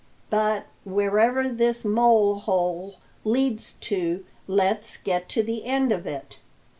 But wherever this mole hole leads to, let's get to the end of it."